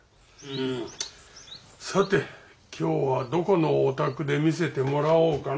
さて今日はどこのお宅で見せてもらおうかな。